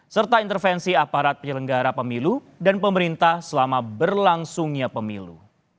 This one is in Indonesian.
serta intervensi aparat penyelenggara pemilu dan pemerintah selama berlangsungnya pemilu